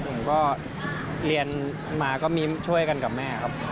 ผมก็เรียนมาก็มีช่วยกันกับแม่ครับ